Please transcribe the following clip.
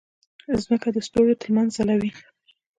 مځکه د ستورو ترمنځ ځلوي.